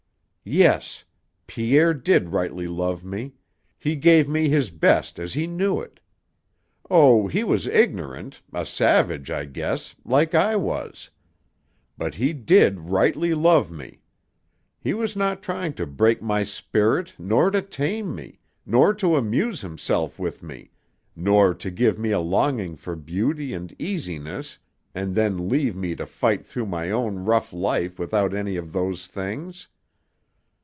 "Yes. Pierre did rightly love me. He gave me his best as he knew it. Oh, he was ignorant, a savage, I guess, like I was. But he did rightly love me. He was not trying to break my spirit nor to tame me, nor to amuse himself with me, nor to give me a longing for beauty and easiness and then leave me to fight through my own rough life without any of those things.